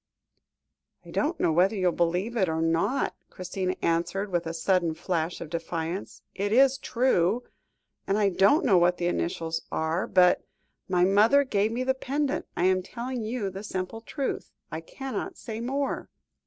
"I don't know whether you will believe it or not," Christina answered, with a sudden flash of defiance, "it is true. And I don't know what the initials are, but my mother gave me the pendant. I am telling you the simple truth. I cannot say more."